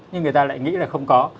nhưng người ta lại nghĩ là không có